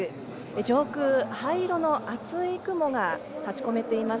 上空、灰色の厚い雲が立ち込めています。